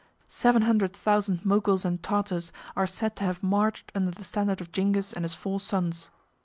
Seven hundred thousand Moguls and Tartars are said to have marched under the standard of Zingis and his four sons.